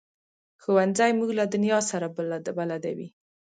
ښوونځی موږ له دنیا سره بلدوي